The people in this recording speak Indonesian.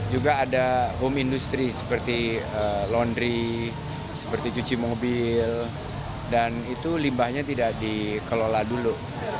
juga ada home industry seperti laundry seperti cuci mobil dan itu limbahnya tidak dikelola dulu